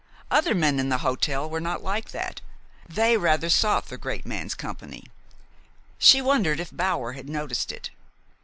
Other men in the hotel were not like that they rather sought the great man's company. She wondered if Bower had noticed it.